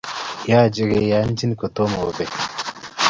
Yochei keyanchin kotomo obe